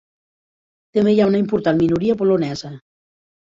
També hi ha una important minoria polonesa.